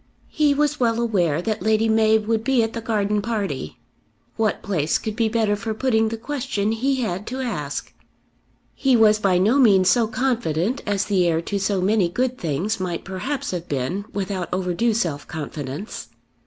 He was well aware that Lady Mab would be at the garden party. What place could be better for putting the question he had to ask? He was by no means so confident as the heir to so many good things might perhaps have been without overdue self confidence.